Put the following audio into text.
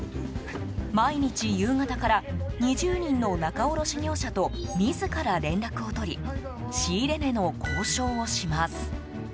毎日夕方から２０人の仲卸業者と自ら連絡を取り仕入れ値の交渉をします。